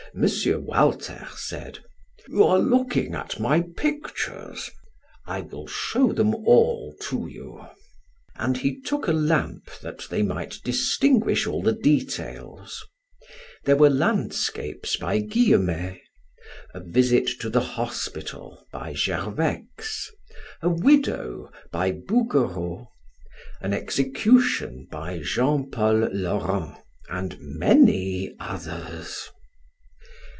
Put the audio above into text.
Walter said: "You are looking at my pictures? I will show them all to you." And he took a lamp that they might distinguish all the details. There were landscapes by Guillemet; "A Visit to the Hospital," by Gervex; "A Widow," by Bouguereau; "An Execution," by Jean Paul Laurens, and many others.